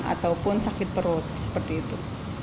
ataupun sakit perut seperti itu